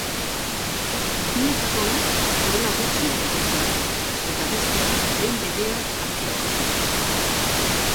Bietako bat duela gutxi epaitu dute, eta bestea behin-behinean artxibatu zuten.